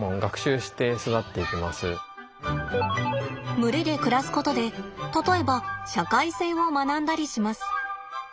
群れで暮らすことで例えば社会性を学んだりします。